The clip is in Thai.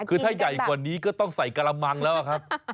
คือถ้าใหญ่กว่านี้ก็ต้องใส่กระมังแล้วครับ